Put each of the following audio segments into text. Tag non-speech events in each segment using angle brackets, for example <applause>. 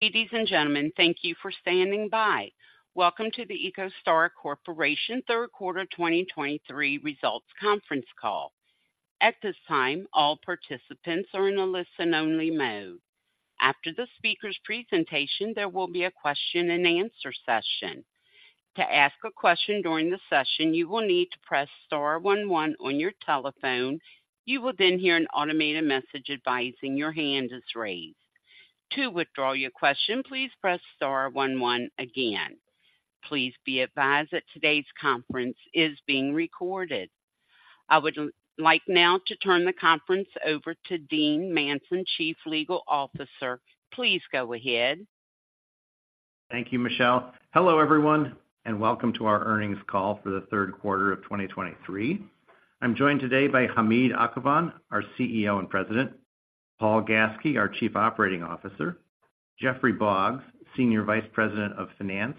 Ladies and gentlemen, thank you for standing by. Welcome to the EchoStar Corporation third quarter 2023 results conference call. At this time, all participants are in a listen-only mode. After the speaker's presentation, there will be a question-and-answer session. To ask a question during the session, you will need to press star one one on your telephone. You will then hear an automated message advising your hand is raised. To withdraw your question, please press star one one again. Please be advised that today's conference is being recorded. I would like now to turn the conference over to Dean Manson, Chief Legal Officer. Please go ahead. Thank you, Michelle. Hello, everyone, and welcome to our earnings call for the third quarter of 2023. I'm joined today by Hamid Akhavan, our CEO and President, Paul Gaske, our Chief Operating Officer, Jeffrey Boggs, Senior Vice President of Finance,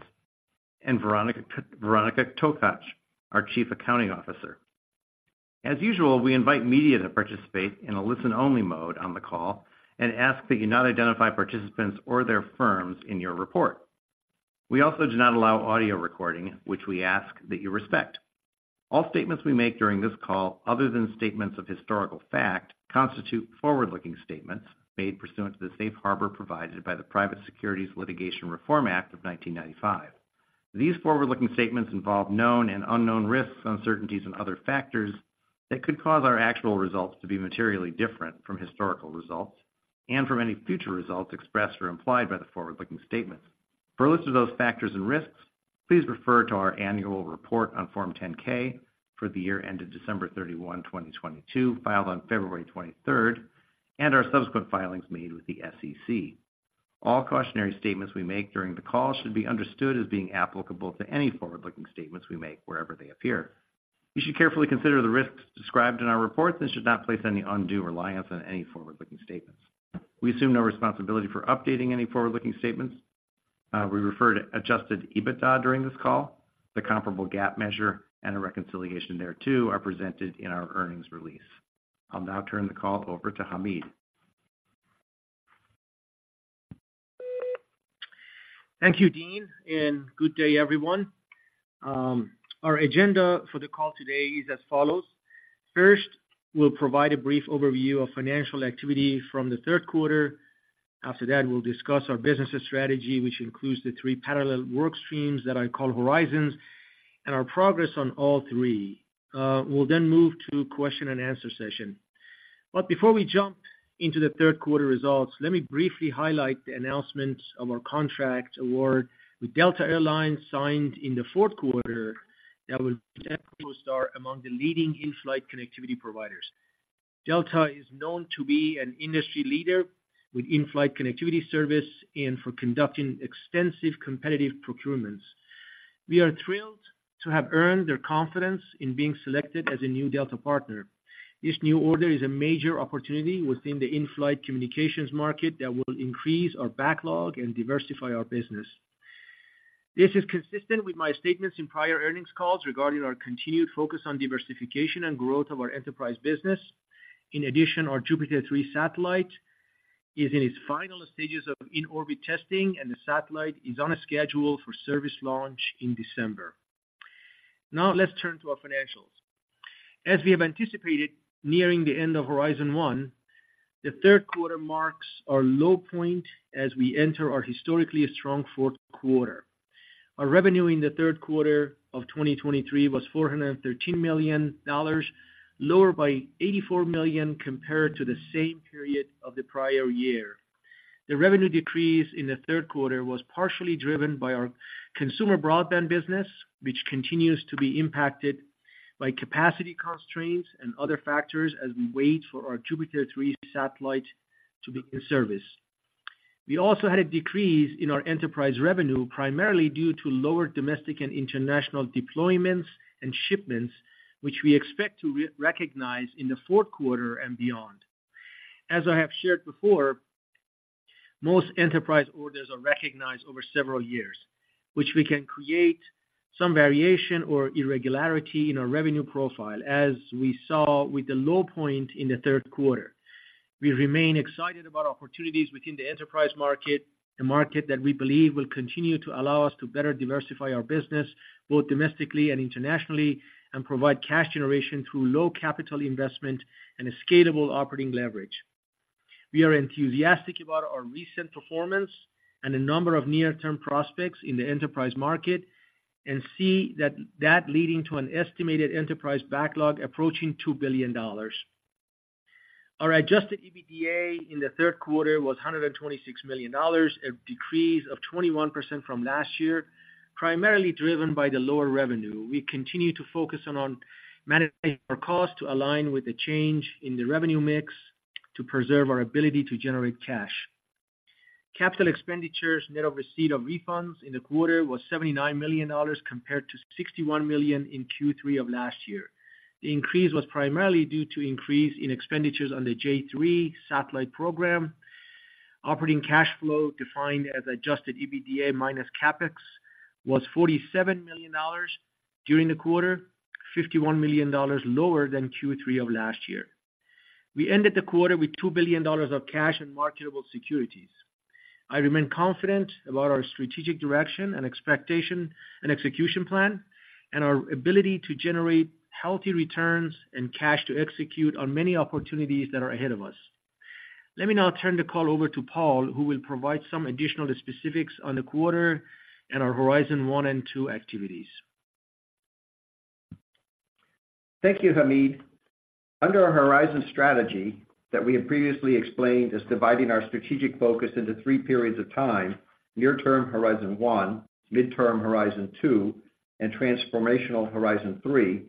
and Veronika Takacs, our Chief Accounting Officer. As usual, we invite media to participate in a listen-only mode on the call and ask that you not identify participants or their firms in your report. We also do not allow audio recording, which we ask that you respect. All statements we make during this call, other than statements of historical fact, constitute forward-looking statements made pursuant to the safe harbor provided by the Private Securities Litigation Reform Act of 1995. These forward-looking statements involve known and unknown risks, uncertainties, and other factors that could cause our actual results to be materially different from historical results and from any future results expressed or implied by the forward-looking statements. For a list of those factors and risks, please refer to our annual report on Form 10-K for the year ended December 31, 2022, filed on February 23rd, and our subsequent filings made with the SEC. All cautionary statements we make during the call should be understood as being applicable to any forward-looking statements we make wherever they appear. You should carefully consider the risks described in our reports and should not place any undue reliance on any forward-looking statements. We assume no responsibility for updating any forward-looking statements. We refer to adjusted EBITDA during this call. The comparable GAAP measure and a reconciliation thereto are presented in our earnings release. I'll now turn the call over to Hamid. Thank you, Dean, and good day, everyone. Our agenda for the call today is as follows. First, we'll provide a brief overview of financial activity from the third quarter. After that, we'll discuss our business strategy, which includes the three parallel work streams that I call Horizons and our progress on all three. We'll then move to question-and-answer session. But before we jump into the third quarter results, let me briefly highlight the announcement of our contract award with Delta Air Lines, signed in the fourth quarter, that will start among the leading in-flight connectivity providers. Delta Air Lines is known to be an industry leader with in-flight connectivity service and for conducting extensive competitive procurements. We are thrilled to have earned their confidence in being selected as a new Delta partner. This new order is a major opportunity within the in-flight communications market that will increase our backlog and diversify our business. This is consistent with my statements in prior earnings calls regarding our continued focus on diversification and growth of our enterprise business. In addition, our Jupiter 3 satellite is in its final stages of in-orbit testing, and the satellite is on a schedule for service launch in December. Now, let's turn to our financials. As we have anticipated, nearing the end of Horizon One, the third quarter marks our low point as we enter our historically strong fourth quarter. Our revenue in the third quarter of 2023 was $413 million, lower by $84 million compared to the same period of the prior year. The revenue decrease in the third quarter was partially driven by our consumer broadband business, which continues to be impacted by capacity constraints and other factors as we wait for our Jupiter 3 satellite to be in service. We also had a decrease in our enterprise revenue, primarily due to lower domestic and international deployments and shipments, which we expect to re-recognize in the fourth quarter and beyond. As I have shared before, most enterprise orders are recognized over several years, which we can create some variation or irregularity in our revenue profile, as we saw with the low point in the third quarter. We remain excited about opportunities within the enterprise market, a market that we believe will continue to allow us to better diversify our business, both domestically and internationally, and provide cash generation through low capital investment and a scalable operating leverage. We are enthusiastic about our recent performance and a number of near-term prospects in the enterprise market and see that leading to an estimated enterprise backlog approaching $2 billion. Our adjusted EBITDA in the third quarter was $126 million, a decrease of 21% from last year, primarily driven by the lower revenue. We continue to focus on managing our cost to align with the change in the revenue mix to preserve our ability to generate cash. Capital expenditures, net of receipt of refunds in the quarter, was $79 million, compared to $61 million in Q3 of last year. The increase was primarily due to increase in expenditures on the J3 satellite program. Operating cash flow, defined as adjusted EBITDA minus CapEx, was $47 million during the quarter, $51 million lower than Q3 of last year. We ended the quarter with $2 billion of cash and marketable securities. I remain confident about our strategic direction and expectation and execution plan, and our ability to generate healthy returns and cash to execute on many opportunities that are ahead of us. Let me now turn the call over to Paul, who will provide some additional specifics on the quarter and our Horizon One and Two activities. Thank you, Hamid. Under our Horizon strategy that we have previously explained as dividing our strategic focus into three periods of time, near term Horizon One, midterm Horizon Two, and transformational Horizon Three,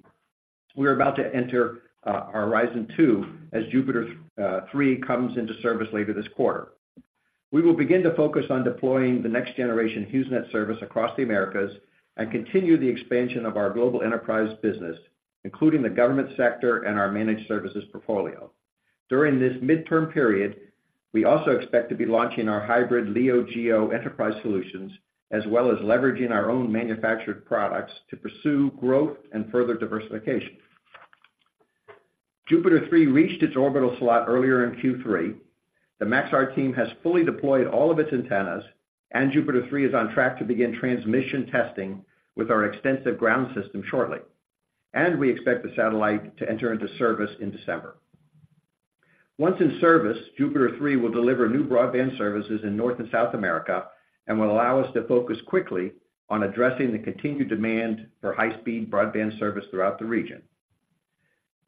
we're about to enter our Horizon Two as Jupiter 3 comes into service later this quarter. We will begin to focus on deploying the next generation HughesNet service across the Americas and continue the expansion of our global enterprise business, including the government sector and our managed services portfolio. During this midterm period, we also expect to be launching our hybrid LEO GEO enterprise solutions, as well as leveraging our own manufactured products to pursue growth and further diversification. Jupiter 3 reached its orbital slot earlier in Q3. The Maxar team has fully deployed all of its antennas, and Jupiter 3 is on track to begin transmission testing with our extensive ground system shortly. We expect the satellite to enter into service in December. Once in service, Jupiter 3 will deliver new broadband services in North and South America and will allow us to focus quickly on addressing the continued demand for high-speed broadband service throughout the region.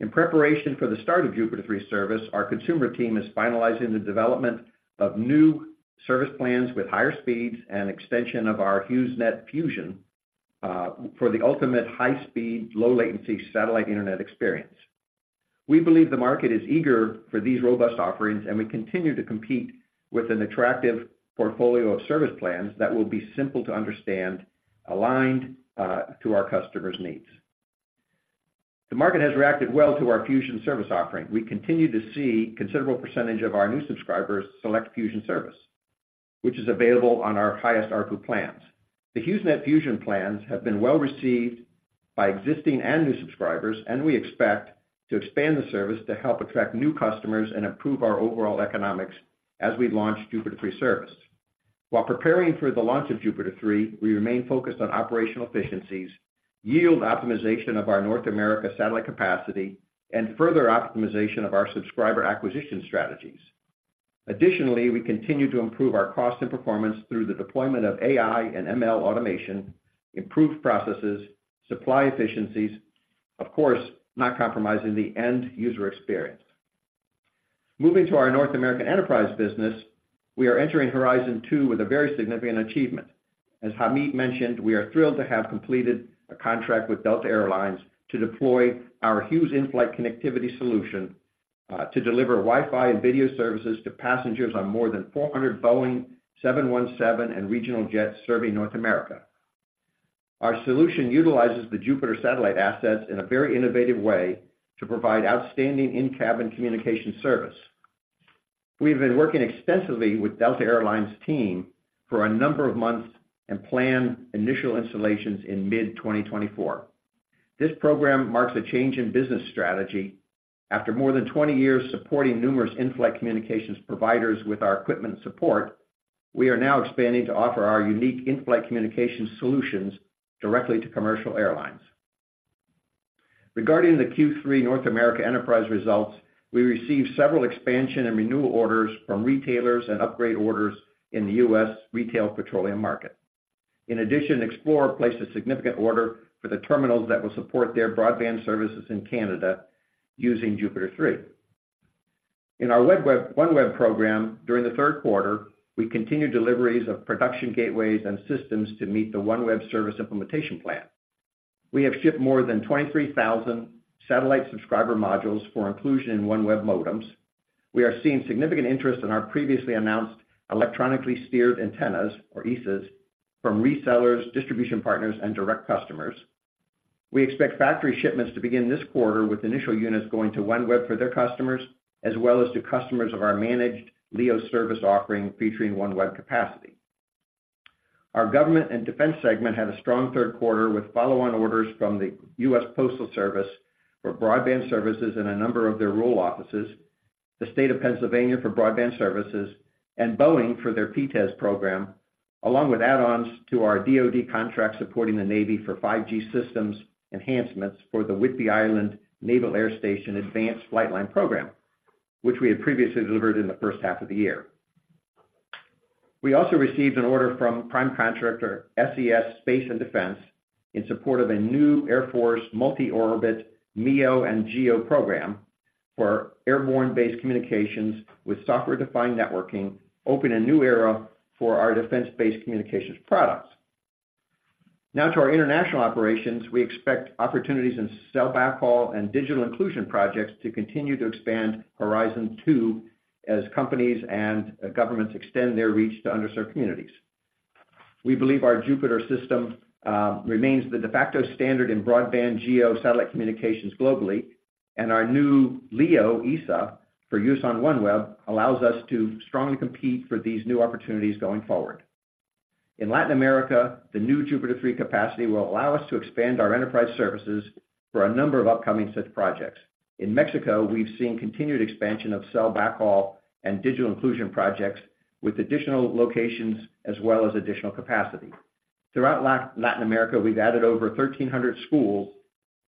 In preparation for the start of Jupiter 3 service, our consumer team is finalizing the development of new service plans with higher speeds and extension of our HughesNet Fusion for the ultimate high speed, low latency satellite internet experience. We believe the market is eager for these robust offerings, and we continue to compete with an attractive portfolio of service plans that will be simple to understand, aligned to our customers' needs. The market has reacted well to our Fusion service offering. We continue to see considerable percentage of our new subscribers select Fusion service, which is available on our highest ARPU plans. The HughesNet Fusion plans have been well received by existing and new subscribers, and we expect to expand the service to help attract new customers and improve our overall economics as we launch Jupiter 3 service. While preparing for the launch of Jupiter 3, we remain focused on operational efficiencies, yield optimization of our North America satellite capacity, and further optimization of our subscriber acquisition strategies. Additionally, we continue to improve our cost and performance through the deployment of AI and ML automation, improved processes, supply efficiencies, of course, not compromising the end user experience. Moving to our North American enterprise business, we are entering Horizon Two with a very significant achievement. As Hamid mentioned, we are thrilled to have completed a contract with Delta Air Lines to deploy our Hughes in-flight connectivity solution to deliver Wi-Fi and video services to passengers on more than 400 Boeing 717 and regional jets serving North America. Our solution utilizes the Jupiter satellite assets in a very innovative way to provide outstanding in-cabin communication service. We've been working extensively with Delta Air Lines team for a number of months and plan initial installations in mid-2024. This program marks a change in business strategy. After more than 20 years supporting numerous in-flight communications providers with our equipment support, we are now expanding to offer our unique in-flight communication solutions directly to commercial airlines. Regarding the Q3 North America enterprise results, we received several expansion and renewal orders from retailers and upgrade orders in the U.S. retail petroleum market. In addition, Xplore placed a significant order for the terminals that will support their broadband services in Canada using Jupiter 3. In our OneWeb program, during the third quarter, we continued deliveries of production gateways and systems to meet the OneWeb service implementation plan. We have shipped more than 23,000 satellite subscriber modules for inclusion in OneWeb modems. We are seeing significant interest in our previously announced electronically steered antennas, or ESAs, from resellers, distribution partners, and direct customers. We expect factory shipments to begin this quarter, with initial units going to OneWeb for their customers, as well as to customers of our managed LEO service offering, featuring OneWeb capacity. Our government and defense segment had a strong third quarter with follow-on orders from the U.S. Postal Service for broadband services in a number of their rural offices, the state of Pennsylvania for broadband services, and Boeing for their PTES program, along with add-ons to our DoD contract supporting the Navy for 5G systems enhancements for the Whidbey Island Naval Air Station Advanced Flight Line program, which we had previously delivered in the first half of the year. We also received an order from prime contractor SES Space & Defense in support of a new Air Force multi-orbit MEO and GEO program for airborne-based communications with software-defined networking, opening a new era for our defense-based communications products. Now to our international operations, we expect opportunities in cell backhaul and digital inclusion projects to continue to expand Horizon Two as companies and, governments extend their reach to underserved communities. We believe our Jupiter system remains the de facto standard in broadband GEO satellite communications globally, and our new LEO ESA for use on OneWeb allows us to strongly compete for these new opportunities going forward. In Latin America, the new Jupiter 3 capacity will allow us to expand our enterprise services for a number of upcoming such projects. In Mexico, we've seen continued expansion of cell backhaul and digital inclusion projects, with additional locations as well as additional capacity. Throughout Latin America, we've added over 1,300 schools,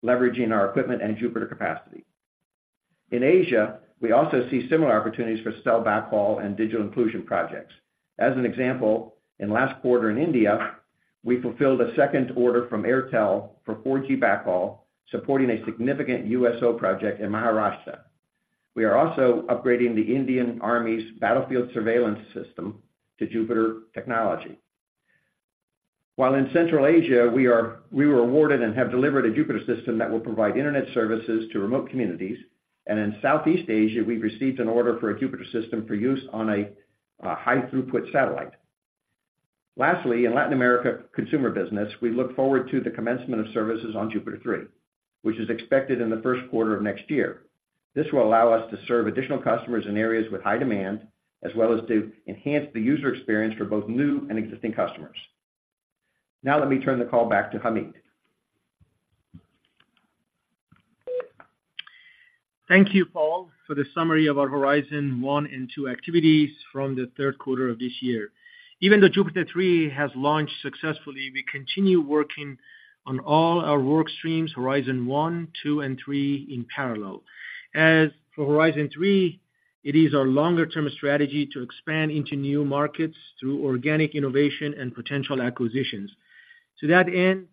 leveraging our equipment and Jupiter capacity. In Asia, we also see similar opportunities for cell backhaul and digital inclusion projects. As an example, in last quarter in India, we fulfilled a second order from Airtel for 4G backhaul, supporting a significant USO project in Maharashtra. We are also upgrading the Indian Army's battlefield surveillance system to Jupiter technology. While in Central Asia, we were awarded and have delivered a Jupiter system that will provide internet services to remote communities. In Southeast Asia, we've received an order for a Jupiter system for use on a high-throughput satellite. Lastly, in Latin America consumer business, we look forward to the commencement of services on Jupiter 3, which is expected in the first quarter of next year. This will allow us to serve additional customers in areas with high demand, as well as to enhance the user experience for both new and existing customers. Now, let me turn the call back to Hamid. Thank you, Paul, for the summary of our Horizon One and Two activities from the third quarter of this year. Even though Jupiter 3 has launched successfully, we continue working on all our work streams, Horizon One, Two, and Three in parallel. As for Horizon Three, it is our longer-term strategy to expand into new markets through organic innovation and potential acquisitions. To that end,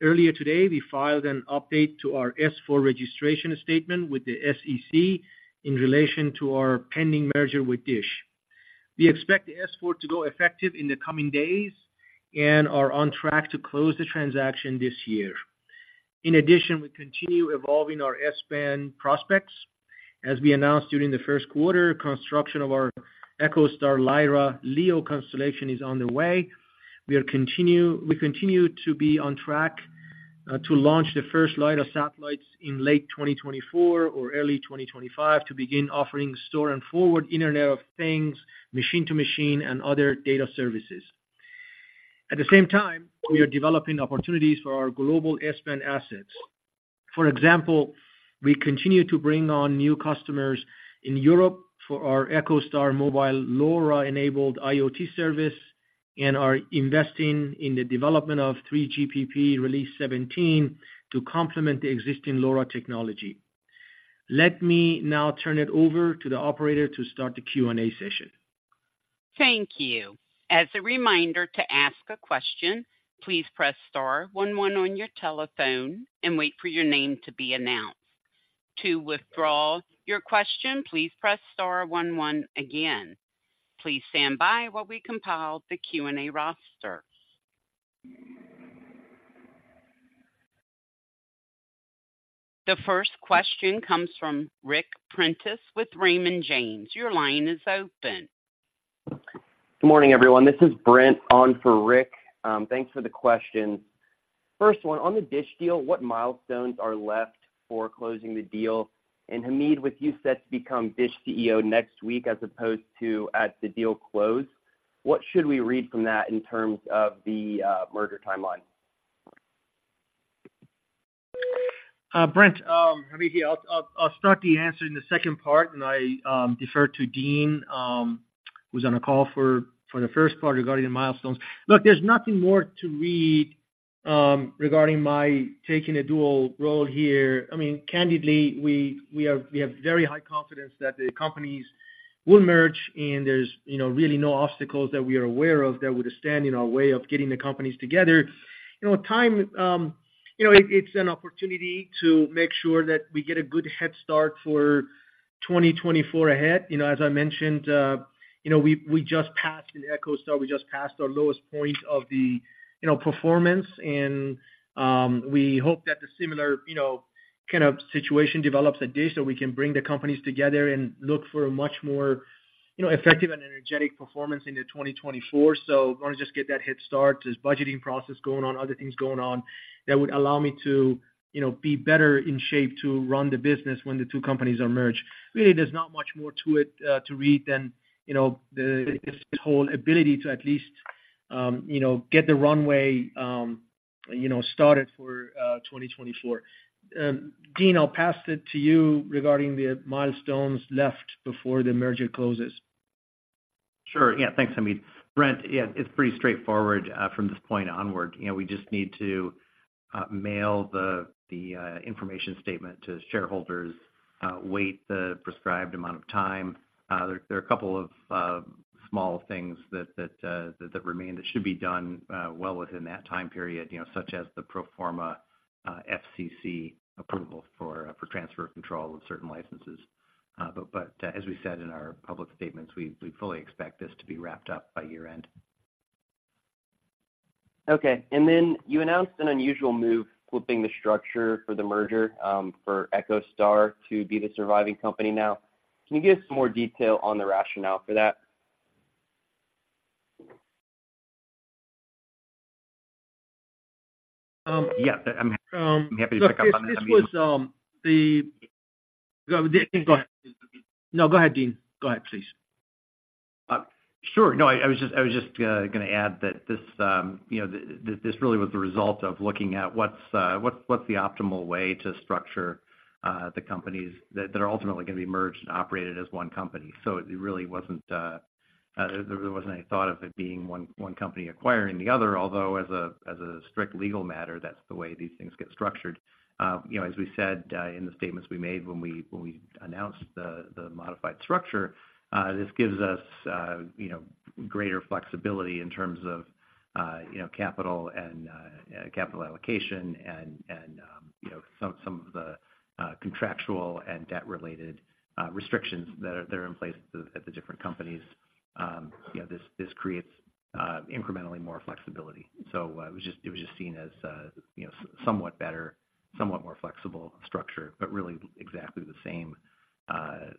earlier today, we filed an update to our S-4 registration statement with the SEC in relation to our pending merger with DISH. We expect the S-4 to go effective in the coming days and are on track to close the transaction this year. In addition, we continue evolving our S-band prospects. As we announced during the first quarter, construction of our EchoStar Lyra LEO constellation is on the way. We continue to be on track to launch the first light of satellites in late 2024 or early 2025 to begin offering store-and-forward Internet of Things, machine-to-machine, and other data services. At the same time, we are developing opportunities for our global S-band assets. For example, we continue to bring on new customers in Europe for our EchoStar Mobile LoRa-enabled IoT service and are investing in the development of 3GPP Release 17 to complement the existing LoRa technology. Let me now turn it over to the operator to start the Q&A session. Thank you. As a reminder, to ask a question, please press star one one on your telephone and wait for your name to be announced. To withdraw your question, please press star one one again. Please stand by while we compile the Q&A roster. The first question comes from Ric Prentiss with Raymond James. Your line is open. Good morning, everyone. This is Brent on for Rick. Thanks for the question. First one, on the DISH deal, what milestones are left for closing the deal? And, Hamid, with you set to become DISH CEO next week, as opposed to at the deal close, what should we read from that in terms of the merger timeline? Brent, Hamid here. I'll start the answer in the second part, and I defer to Dean, who's on the call for the first part regarding the milestones. Look, there's nothing more to read regarding my taking a dual role here. I mean, candidly, we are, we have very high confidence that the companies will merge, and there's, you know, really no obstacles that we are aware of that would stand in our way of getting the companies together. You know, time, you know, it, it's an opportunity to make sure that we get a good head start for 2024 ahead. You know, as I mentioned, you know, we, we just passed in EchoStar, we just passed our lowest point of the, you know, performance. And, we hope that the similar, you know, kind of situation develops at DISH, so we can bring the companies together and look for a much more, you know, effective and energetic performance into 2024. So want to just get that head start. There's budgeting process going on, other things going on, that would allow me to, you know, be better in shape to run the business when the two companies are merged. Really, there's not much more to it, to read than, you know, this whole ability to at least, you know, get the runway, you know, started for, 2024. Dean, I'll pass it to you regarding the milestones left before the merger closes. Sure. Yeah. Thanks, Hamid. Brent, yeah, it's pretty straightforward from this point onward. You know, we just need to mail the information statement to shareholders, wait the prescribed amount of time. There are a couple of small things that remain, that should be done well within that time period, you know, such as the pro forma FCC approval for transfer control of certain licenses. But as we said in our public statements, we fully expect this to be wrapped up by year-end. Okay. And then you announced an unusual move, flipping the structure for the merger, for EchoStar to be the surviving company now. Can you give us some more detail on the rationale for that? <crosstalk> Sure. No, I was just gonna add that this, you know, this really was the result of looking at what's the optimal way to structure the companies that are ultimately going to be merged and operated as one company. So it really wasn't, there wasn't any thought of it being one company acquiring the other, although as a strict legal matter, that's the way these things get structured. You know, as we said, in the statements we made when we announced the modified structure, this gives us, you know, greater flexibility in terms of, you know, capital and, capital allocation and, and, you know, some of the, contractual and debt-related, restrictions that are in place at the different companies. Yeah, this creates incrementally more flexibility. So, it was just seen as, you know, somewhat better, somewhat more flexible structure, but really exactly the same,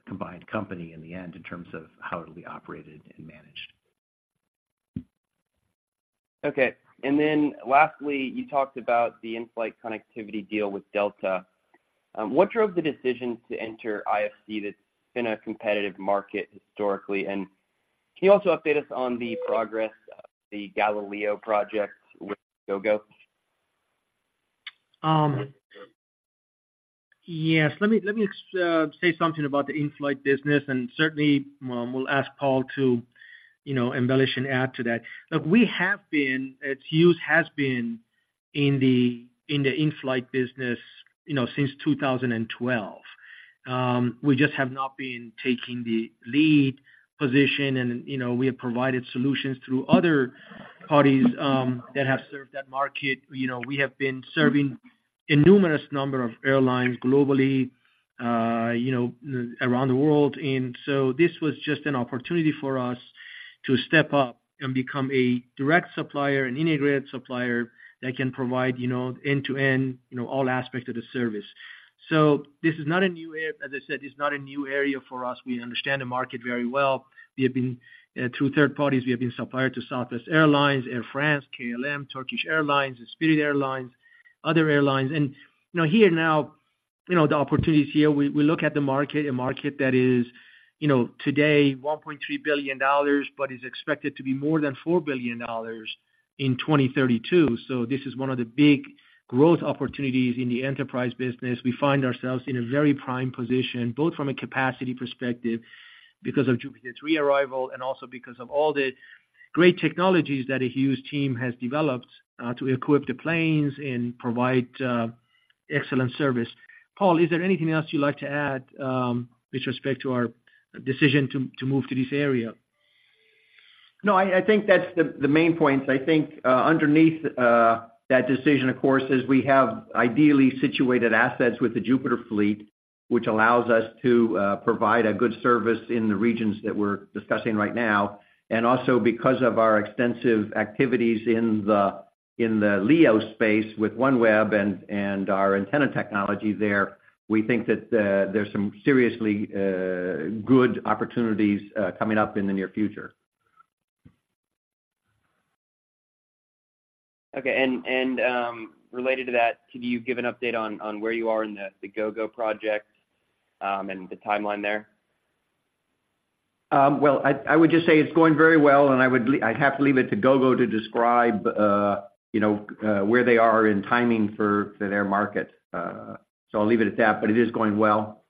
combined company in the end, in terms of how it'll be operated and managed. Okay. And then lastly, you talked about the in-flight connectivity deal with Delta. What drove the decision to enter IFC that's been a competitive market historically? And can you also update us on the progress of the Galileo project with Gogo? Yes. Let me say something about the in-flight business, and certainly, we'll ask Paul to, you know, embellish and add to that. Look, we have been, its use has been in the in-flight business, you know, since 2012. We just have not been taking the lead position, and, you know, we have provided solutions through other parties that have served that market. You know, we have been serving a numerous number of airlines globally, you know, around the world. So this was just an opportunity for us to step up and become a direct supplier, an integrated supplier, that can provide, you know, end-to-end, you know, all aspects of the service. So this is not a new area, as I said, this is not a new area for us. We understand the market very well. We have been, through third parties, we have been supplier to Southwest Airlines, Air France, KLM, Turkish Airlines, and Spirit Airlines, other airlines. And, you know, here now, you know, the opportunities here, we, we look at the market, a market that is, you know, today, $1.3 billion, but is expected to be more than $4 billion in 2032. So this is one of the big growth opportunities in the enterprise business. We find ourselves in a very prime position, both from a capacity perspective because of Jupiter's re-arrival, and also because of all the great technologies that a Hughes team has developed, to equip the planes and provide excellent service. Paul, is there anything else you'd like to add, with respect to our decision to, to move to this area? No, I think that's the main points. I think, underneath that decision, of course, is we have ideally situated assets with the Jupiter fleet, which allows us to provide a good service in the regions that we're discussing right now. And also because of our extensive activities in the LEO space with OneWeb and our antenna technology there, we think that there's some seriously good opportunities coming up in the near future. Okay. And related to that, could you give an update on where you are in the Gogo project, and the timeline there? Well, I would just say it's going very well, and I'd have to leave it to Gogo to describe, you know, where they are in timing for their market. So I'll leave it at that, but it is going well.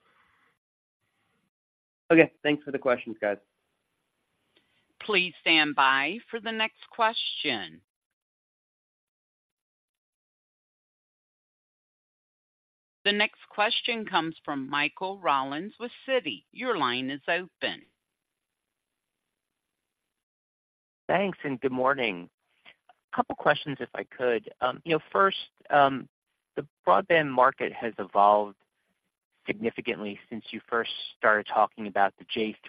Okay. Thanks for the questions, guys. Please stand by for the next question. The next question comes from Michael Rollins with Citi. Your line is open. Thanks, and good morning. A couple questions, if I could. You know, first, the broadband market has evolved significantly since you first started talking about the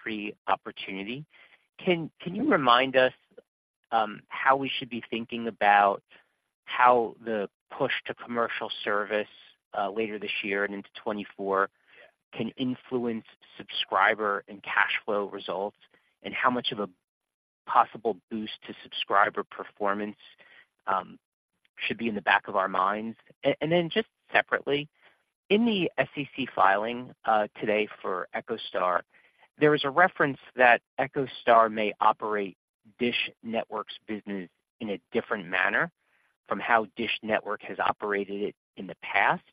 J3 opportunity. Can you remind us how we should be thinking about how the push to commercial service later this year and into 2024 can influence subscriber and cash flow results, and how much of a possible boost to subscriber performance should be in the back of our minds? And then just separately, in the SEC filing today for EchoStar, there is a reference that EchoStar may operate DISH Network's business in a different manner from how DISH Network has operated it in the past.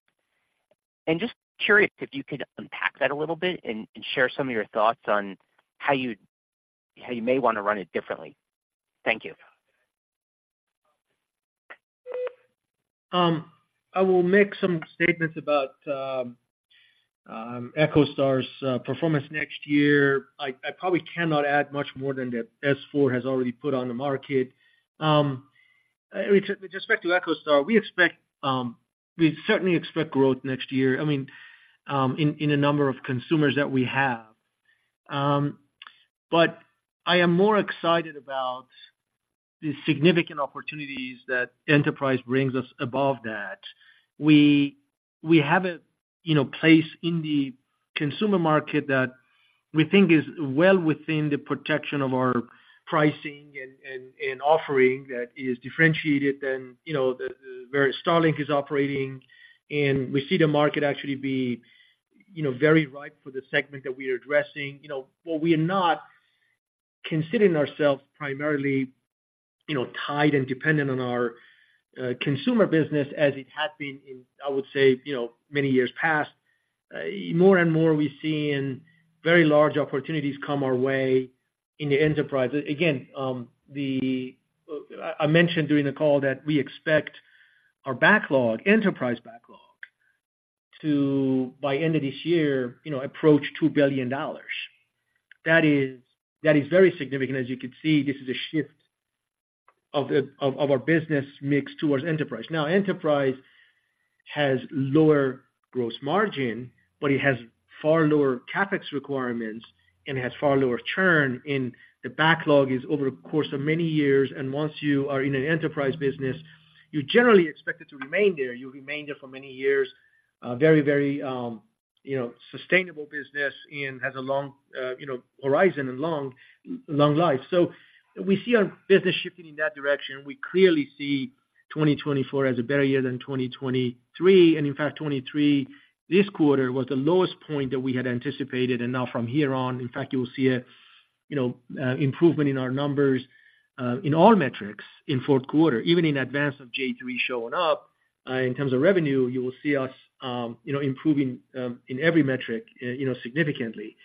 And just curious if you could unpack that a little bit and share some of your thoughts on how you may want to run it differently. Thank you. I will make some statements about EchoStar's performance next year. I probably cannot add much more than the S-4 has already put on the market. With respect to EchoStar, we expect we certainly expect growth next year, I mean, in a number of consumers that we have. But I am more excited about the significant opportunities that Enterprise brings us above that. We have a, you know, place in the consumer market that we think is well within the protection of our pricing and offering that is differentiated than, you know, where Starlink is operating, and we see the market actually be, you know, very ripe for the segment that we are addressing. You know, while we are not considering ourselves primarily, you know, tied and dependent on our consumer business as it had been in, I would say, you know, many years past, more and more we see very large opportunities come our way in the enterprise. Again, I mentioned during the call that we expect our backlog, enterprise backlog to by end of this year, you know, approach $2 billion. That is, that is very significant. As you can see, this is a shift of our business mix towards enterprise. Now, enterprise has lower gross margin, but it has far lower CapEx requirements and has far lower churn, and the backlog is over the course of many years. And once you are in an enterprise business, you're generally expected to remain there. You remain there for many years, very, very, you know, sustainable business and has a long, you know, horizon and long, long life. So we see our business shifting in that direction. We clearly see 2024 as a better year than 2023. And in fact, '23 this quarter was the lowest point that we had anticipated. And now from here on, in fact, you will see a, you know, improvement in our numbers, in all metrics in fourth quarter, even in advance of J3 showing up. In terms of revenue, you will see us, you know, improving, in every metric, you know, significantly,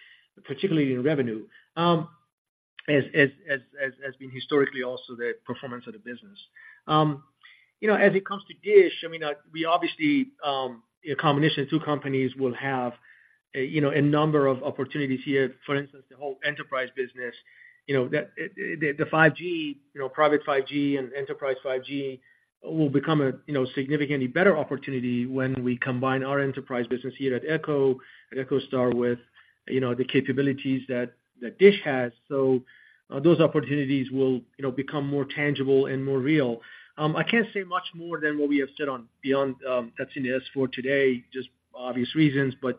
particularly in revenue, as has been historically also the performance of the business. You know, as it comes to DISH, I mean, we obviously a combination of two companies will have a, you know, a number of opportunities here. For instance, the whole enterprise business, you know, that the 5G, you know, private 5G and enterprise 5G will become a, you know, significantly better opportunity when we combine our enterprise business here at Echo at EchoStar with, you know, the capabilities that that DISH has. So, those opportunities will, you know, become more tangible and more real. I can't say much more than what we have said on beyond, that's in the S4 today, just obvious reasons. But,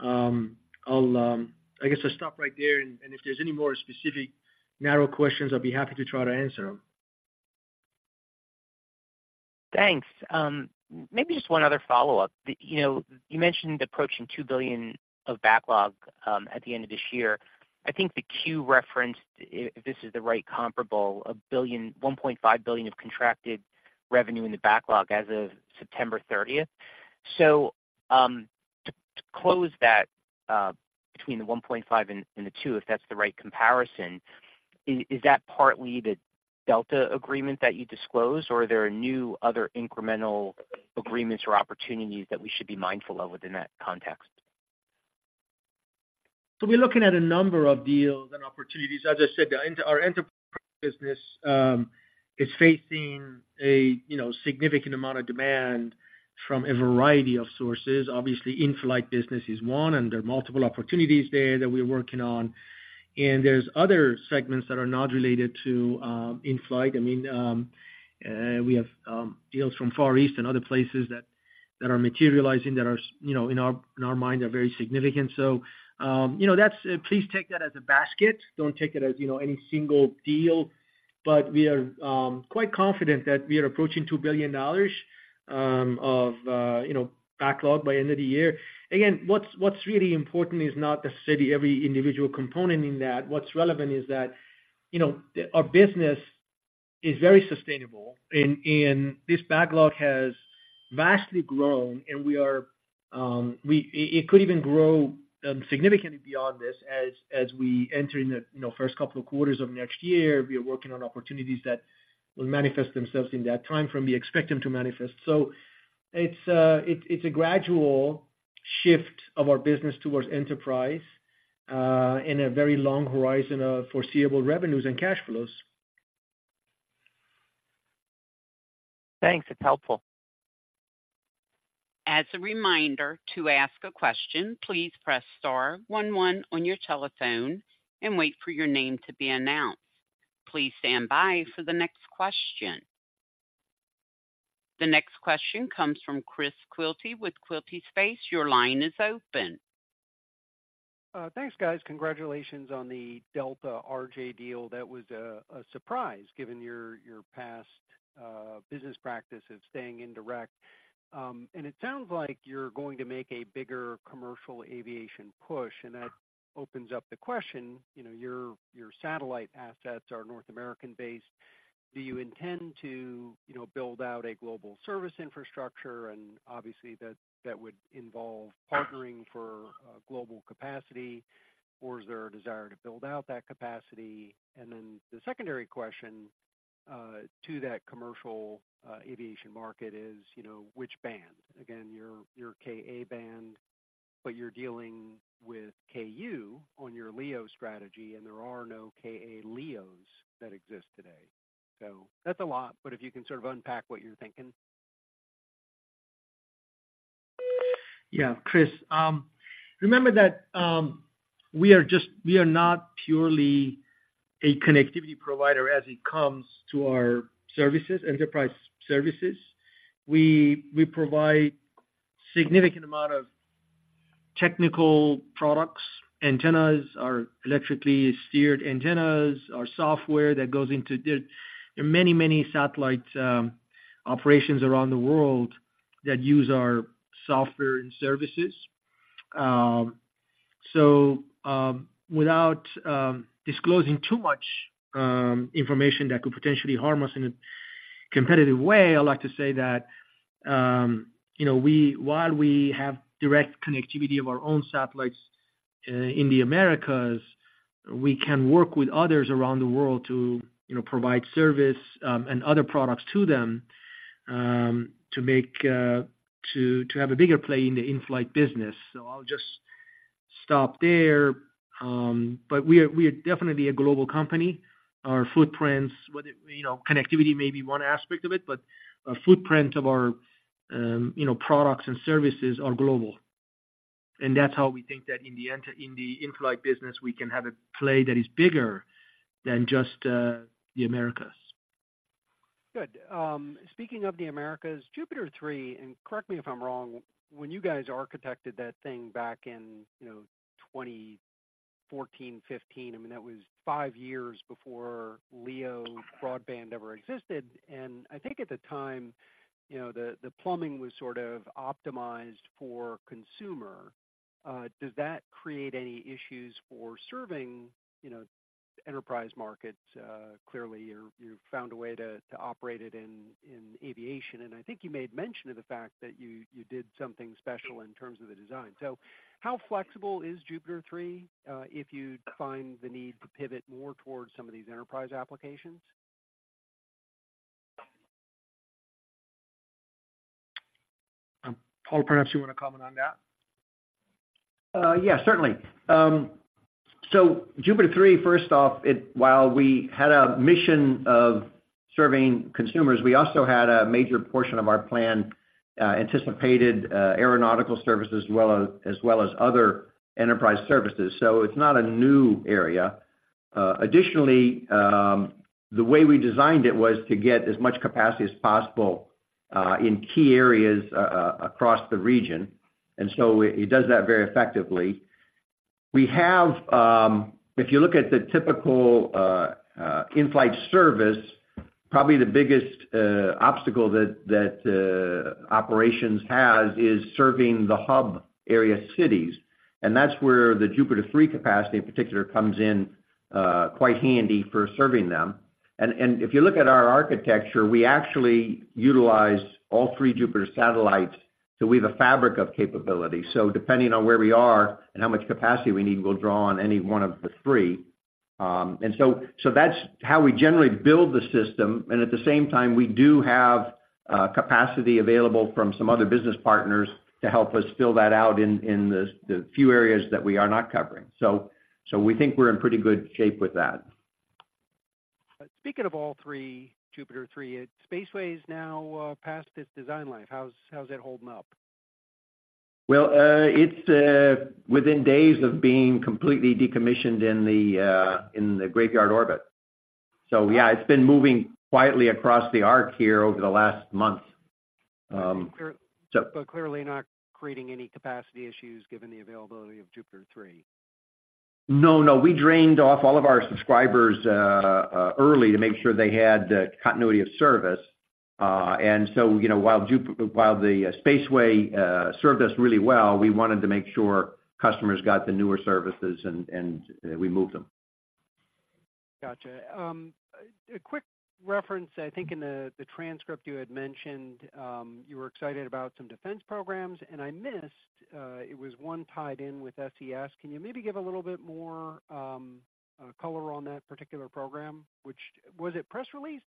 I guess I'll stop right there, and if there's any more specific narrow questions, I'll be happy to try to answer them. Thanks. Maybe just one other follow-up. You know, you mentioned approaching $2 billion of backlog at the end of this year. I think the Q referenced, if this is the right comparable, $1 billion, $1.5 billion of contracted revenue in the backlog as of September 30th. So, to close that between the $1.5 billion and the $2 billion, if that's the right comparison, is that partly the Delta agreement that you disclosed, or are there new other incremental agreements or opportunities that we should be mindful of within that context? So we're looking at a number of deals and opportunities. As I said, our enterprise business is facing a, you know, significant amount of demand from a variety of sources. Obviously, in-flight business is one, and there are multiple opportunities there that we're working on. And there's other segments that are not related to in-flight. I mean, we have deals from Far East and other places that are materializing, that are, you know, in our mind, are very significant. So, you know, that's. Please take that as a basket. Don't take it as, you know, any single deal. But we are quite confident that we are approaching $2 billion of backlog by end of the year. Again, what's really important is not necessarily every individual component in that. What's relevant is that, you know, our business is very sustainable, and this backlog has vastly grown, and it could even grow significantly beyond this as we enter in the, you know, first couple of quarters of next year. We are working on opportunities that will manifest themselves in that time frame. We expect them to manifest. So it's a gradual shift of our business towards enterprise in a very long horizon of foreseeable revenues and cash flows. Thanks. It's helpful. As a reminder, to ask a question, please press star one one on your telephone and wait for your name to be announced. Please stand by for the next question. The next question comes from Chris Quilty with Quilty Space. Your line is open. Thanks, guys. Congratulations on the Delta RJ deal. That was a surprise, given your past business practice of staying indirect. And it sounds like you're going to make a bigger commercial aviation push, and that opens up the question, you know, your satellite assets are North American-based. Do you intend to, you know, build out a global service infrastructure? And obviously, that would involve partnering for global capacity, or is there a desire to build out that capacity? And then the secondary question to that commercial aviation market is, you know, which band? Again, you're Ka-band, but you're dealing with Ku on your LEO strategy, and there are no Ka LEOs that exist today. So that's a lot, but if you can sort of unpack what you're thinking. Yeah, Chris, remember that, we are just, we are not purely a connectivity provider as it comes to our services, enterprise services. We provide significant amount of technical products, antennas, our electronically steered antennas, our software that goes into the, there are many, many satellite operations around the world that use our software and services. So, without disclosing too much information that could potentially harm us in a competitive way, I'd like to say that, you know, while we have direct connectivity of our own satellites in the Americas, we can work with others around the world to, you know, provide service and other products to them to make to have a bigger play in the in-flight business. So I'll just stop there. But we are definitely a global company. Our footprints, whether, you know, connectivity may be one aspect of it, but our footprint of our, you know, products and services are global. That's how we think that in the in-flight business, we can have a play that is bigger than just the Americas. Good. Speaking of the Americas, Jupiter 3, and correct me if I'm wrong, when you guys architected that thing back in, you know, 2014, 2015, I mean, that was five years before LEO broadband ever existed. And I think at the time, you know, the plumbing was sort of optimized for consumer. Does that create any issues for serving, you know, enterprise markets? Clearly, you've found a way to operate it in aviation, and I think you made mention of the fact that you did something special in terms of the design. So how flexible is Jupiter 3 if you find the need to pivot more towards some of these enterprise applications? Paul, perhaps you want to comment on that? Yeah, certainly. So Jupiter 3, first off, while we had a mission of serving consumers, we also had a major portion of our plan anticipated aeronautical services, as well as other enterprise services, so it's not a new area. Additionally, the way we designed it was to get as much capacity as possible in key areas across the region, and so it does that very effectively. We have, if you look at the typical in-flight service, probably the biggest obstacle that operations has is serving the hub area cities, and that's where the Jupiter 3 capacity, in particular, comes in quite handy for serving them. And if you look at our architecture, we actually utilize all three Jupiter satellites, so we have a fabric of capability. So depending on where we are and how much capacity we need, we'll draw on any one of the three. And so that's how we generally build the system, and at the same time, we do have capacity available from some other business partners to help us fill that out in the few areas that we are not covering. So we think we're in pretty good shape with that. Speaking of all three, Jupiter 3, Spaceway is now past its design life. How's that holding up? Well, it's within days of being completely decommissioned in the graveyard orbit. So yeah, it's been moving quietly across the arc here over the last month, so- Clearly not creating any capacity issues given the availability of Jupiter 3. No, no. We drained off all of our subscribers early to make sure they had continuity of service. And so, you know, while the Spaceway served us really well, we wanted to make sure customers got the newer services and we moved them. Gotcha. A quick reference, I think in the transcript you had mentioned, you were excited about some defense programs, and I missed it was one tied in with SES. Can you maybe give a little bit more color on that particular program? Was it press released?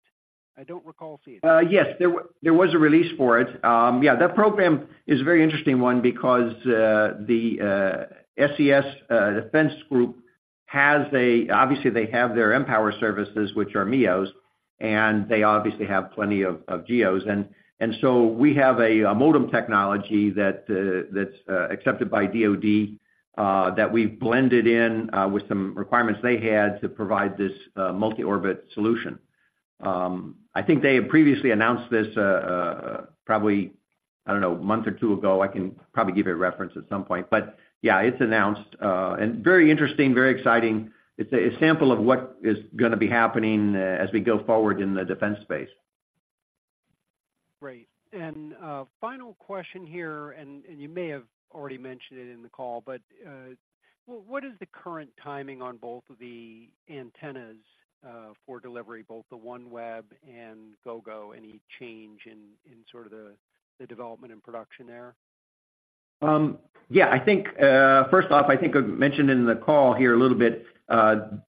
I don't recall seeing it. Yes, there was a release for it. Yeah, that program is a very interesting one because the SES Defense Group has obviously they have their mPOWER services, which are MEOs, and they obviously have plenty of GEOs. And so we have a modem technology that's accepted by DoD that we've blended in with some requirements they had to provide this multi-orbit solution. I think they had previously announced this probably, I don't know, a month or two ago. I can probably give you a reference at some point. But yeah, it's announced and very interesting, very exciting. It's a sample of what is gonna be happening as we go forward in the defense space. Great. And, final question here, and, you may have already mentioned it in the call, but, what is the current timing on both of the antennas, for delivery, both the OneWeb and Gogo? Any change in sort of the development and production there? Yeah, I think, first off, I think I mentioned in the call here a little bit,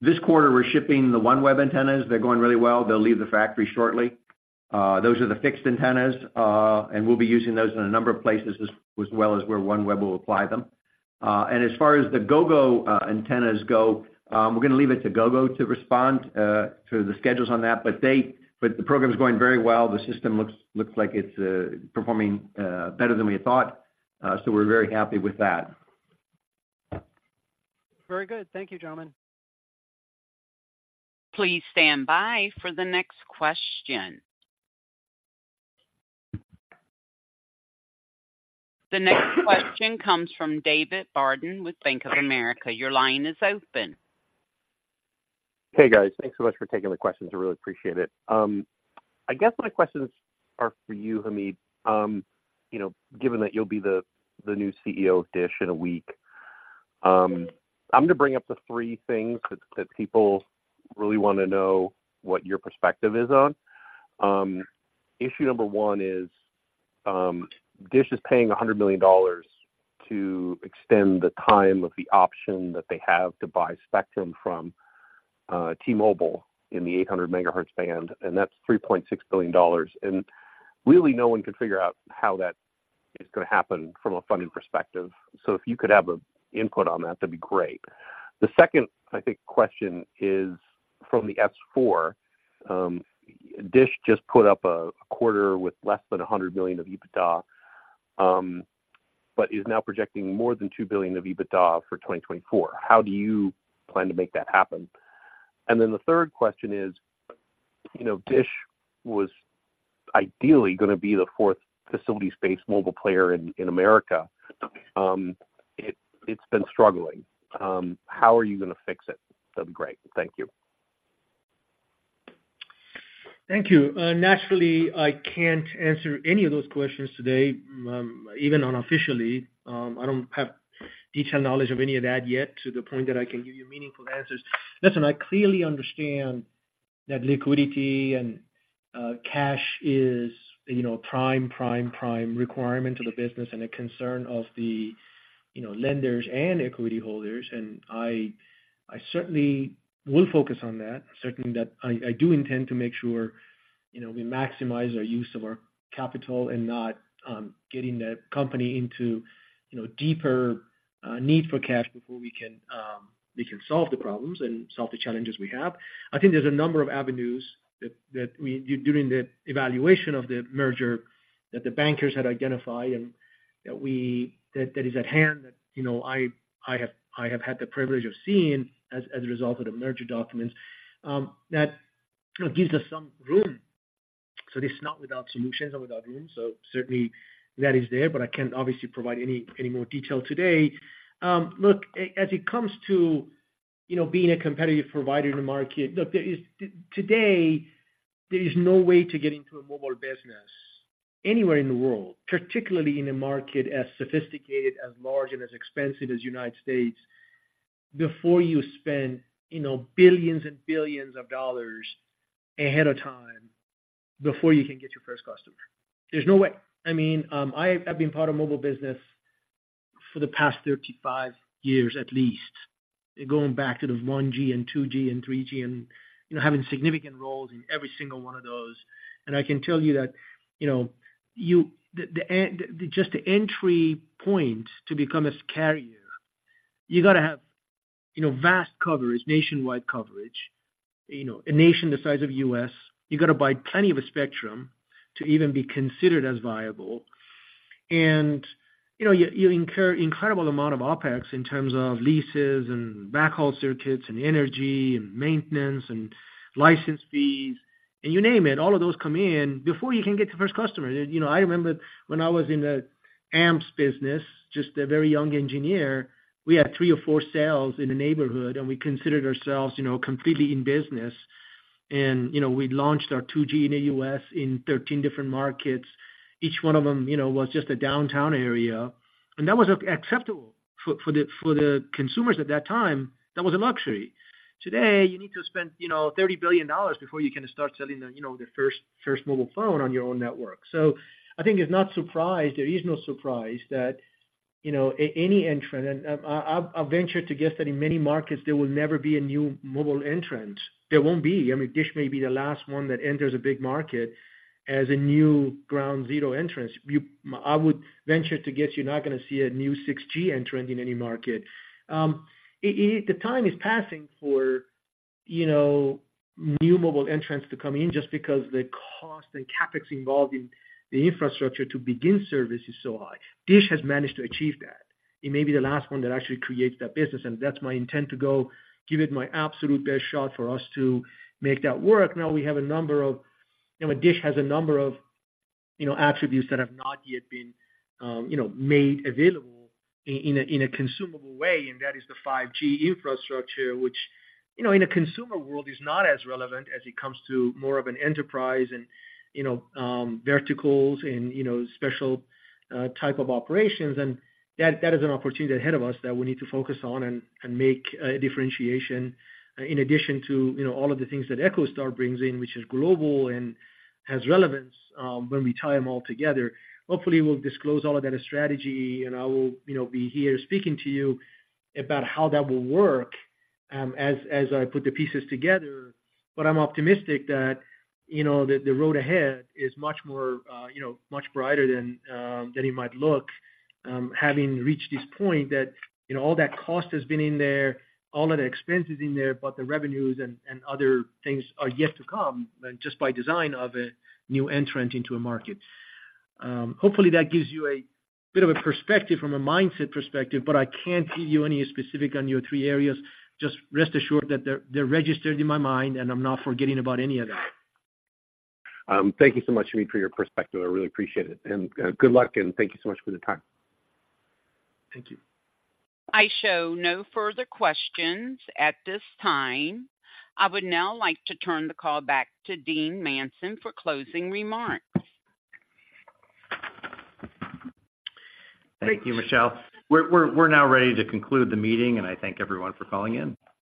this quarter we're shipping the OneWeb antennas. They're going really well. They'll leave the factory shortly. Those are the fixed antennas, and we'll be using those in a number of places as, as well as where OneWeb will apply them. And as far as the Gogo antennas go, we're gonna leave it to Gogo to respond, to the schedules on that. But they, but the program is going very well. The system looks, looks like it's performing better than we had thought, so we're very happy with that. Very good. Thank you, gentlemen. Please stand by for the next question. The next question comes from David Barden with Bank of America. Your line is open. Hey, guys. Thanks so much for taking the questions. I really appreciate it. I guess my questions are for you, Hamid. You know, given that you'll be the new CEO of DISH in a week, I'm gonna bring up the three things that people really wanna know what your perspective is on. Issue number one is, DISH is paying $100 million to extend the time of the option that they have to buy spectrum from T-Mobile in the 800 MHz band, and that's $3.6 billion. And really, no one can figure out how that is gonna happen from a funding perspective. So if you could have an input on that, that'd be great. The second, I think, question is from the S-4. DISH just put up a quarter with less than $100 million of EBITDA, but is now projecting more than $2 billion of EBITDA for 2024. How do you plan to make that happen? And then the third question is, you know, DISH was ideally gonna be the fourth facilities-based mobile player in America. It, it's been struggling. How are you gonna fix it? That'd be great. Thank you. Thank you. Naturally, I can't answer any of those questions today, even unofficially. I don't have detailed knowledge of any of that yet to the point that I can give you meaningful answers. Listen, I clearly understand that liquidity and cash is, you know, prime, prime, prime requirement to the business and a concern of the, you know, lenders and equity holders, and I certainly will focus on that. Certainly, I do intend to make sure, you know, we maximize our use of our capital and not getting the company into, you know, deeper need for cash before we can solve the problems and solve the challenges we have. I think there's a number of avenues that we during the evaluation of the merger that the bankers had identified and that is at hand that you know I have had the privilege of seeing as a result of the merger documents that gives us some room. So this is not without solutions or without room. So certainly that is there, but I can't obviously provide any more detail today. Look, as it comes to you know being a competitive provider in the market, look, there is today there is no way to get into a mobile business anywhere in the world, particularly in a market as sophisticated, as large and as expensive as United States, before you spend you know billions and billions of dollars ahead of time before you can get your first customer. There's no way. I mean, I have been part of mobile business for the past 35 years, at least, going back to the 1G and 2G and 3G, and, you know, having significant roles in every single one of those. And I can tell you that, you know, just the entry point to become a carrier, you got to have, you know, vast coverage, nationwide coverage, you know, a nation the size of U.S. You got to buy plenty of a spectrum to even be considered as viable. And, you know, you, you incur incredible amount of OpEx in terms of leases and backhaul circuits and energy and maintenance and license fees, and you name it. All of those come in before you can get the first customer. You know, I remember when I was in the AMPS business, just a very young engineer, we had three or four sales in the neighborhood, and we considered ourselves, you know, completely in business. You know, we launched our 2G in the U.S. in 13 different markets. Each one of them, you know, was just a downtown area, and that was acceptable. For the consumers at that time, that was a luxury. Today, you need to spend, you know, $30 billion before you can start selling, you know, the first mobile phone on your own network. So I think it's not surprised, there is no surprise that, you know, any entrant, and, I, I'll venture to guess that in many markets, there will never be a new mobile entrant. There won't be. I mean, Dish may be the last one that enters a big market as a new ground zero entrant. You, I would venture to guess you're not gonna see a new 6G entrant in any market. The time is passing for, you know, new mobile entrants to come in just because the cost and CapEx involved in the infrastructure to begin service is so high. Dish has managed to achieve that. It may be the last one that actually creates that business, and that's my intent to go give it my absolute best shot for us to make that work. Now, we have a number of. You know, DISH has a number of, you know, attributes that have not yet been, you know, made available in a consumable way, and that is the 5G infrastructure, which, you know, in a consumer world, is not as relevant as it comes to more of an enterprise and, you know, verticals and, you know, special type of operations. That is an opportunity ahead of us that we need to focus on and make a differentiation in addition to, you know, all of the things that EchoStar brings in, which is global and has relevance when we tie them all together. Hopefully, we'll disclose all of that strategy, and I will, you know, be here speaking to you about how that will work, as I put the pieces together. But I'm optimistic that, you know, the road ahead is much more, you know, much brighter than it might look, having reached this point that, you know, all that cost has been in there, all of the expenses in there, but the revenues and other things are yet to come, than just by design of a new entrant into a market. Hopefully, that gives you a bit of a perspective from a mindset perspective, but I can't give you any specific on your three areas. Just rest assured that they're registered in my mind, and I'm not forgetting about any of that. Thank you so much, Hamid, for your perspective. I really appreciate it, and good luck, and thank you so much for the time. Thank you. I show no further questions at this time. I would now like to turn the call back to Dean Manson for closing remarks. Thank you, Michelle. We're now ready to conclude the meeting, and I thank everyone for calling in.